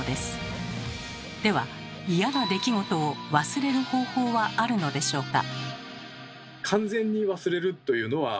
では嫌な出来事を忘れる方法はあるのでしょうか？